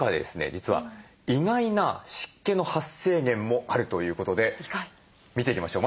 実は意外な湿気の発生源もあるということで見ていきましょう。